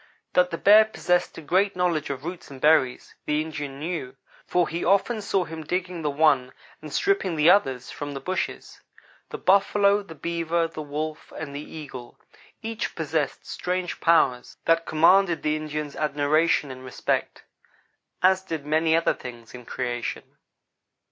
That the bear possessed a great knowledge of roots and berries, the Indian knew, for he often saw him digging the one and stripping the others from the bushes. The buffalo, the beaver, the wolf, and the eagle each possessed strange powers that commanded the Indian's admiration and respect, as did many other things in creation.